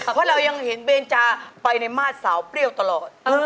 เพราะเรายังเห็นเบนจาไปในมาตรสาวเปรี้ยวตลอด